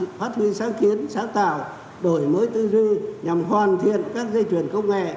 để tiếp tục phát huy sáng kiến sáng tạo đổi mới tư duy nhằm hoàn thiện các dây chuyển công nghệ